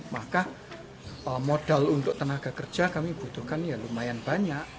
maka modal untuk tenaga kerja kami butuhkan ya lumayan banyak